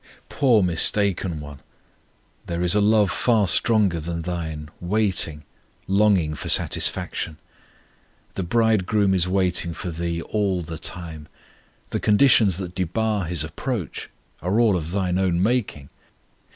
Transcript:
Poor mistaken one! There is a love far stronger than thine waiting, longing for satisfaction. The Bridegroom is waiting for thee all the time; the conditions that debar His approach are all of thine own making.